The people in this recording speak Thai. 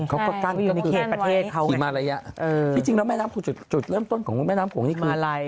หิมะละยะจุดเริ่มต้นของแม่น้ำโขงงี่อีกอะไร